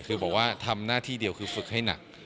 คือบอกว่าทำหน้าที่เดียวคือฝึกให้หนัก